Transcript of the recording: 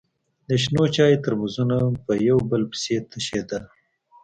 د شنو چايو ترموزونه به يو په بل پسې تشېدل.